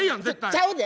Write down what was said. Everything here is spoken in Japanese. ちゃうで！